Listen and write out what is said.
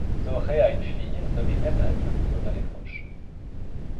Shohreh a une fille, nommée Tannaz, dont elle est proche.